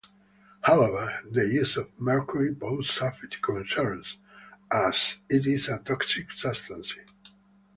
However, the use of mercury poses safety concerns, as it is a toxic substance.